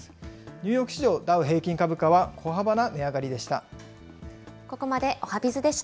ニューヨーク市場ダウ平均株価は小幅な値上がりでした。